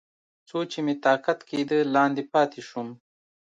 څو چې مې طاقت کېده، لاندې پاتې شوم.